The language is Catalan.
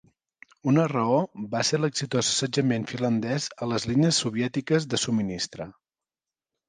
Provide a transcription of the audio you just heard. Una raó va ser l"exitós assetjament finlandès a les línies soviètiques de subministre.